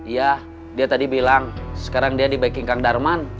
ya dia tadi bilang sekarang dia di backing kang darman